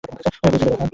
তুমি ভুল ছিলে রেহান।